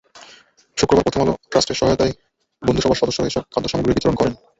শুক্রবার প্রথম আলো ট্রাস্টের সহায়তায় বন্ধুসভার সদস্যরা এসব খাদ্যসামগ্রী বিতরণ করেন।